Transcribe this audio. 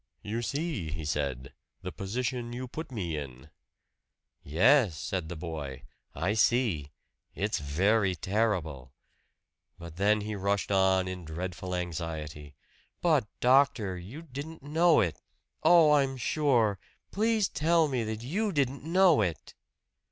"You see," he said, "the position you put me in." "Yes," said the boy. "I see. It's very terrible." But then he rushed on in dreadful anxiety: "But, doctor, you didn't know it. Oh, I'm sure please tell me that you didn't know it!"